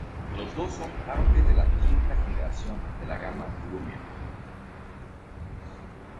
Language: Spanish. Los dos son parte de la quinta generación de la gama Lumia.